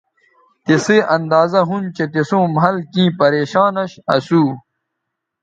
تسئ اندازہ ھُون چہء تِسوں مھل کیں پریشان اش تھو